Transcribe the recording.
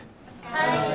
はい。